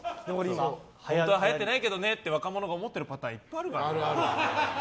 本当は、はやってないけどねと若者が思ってるパターンいっぱいあるからね。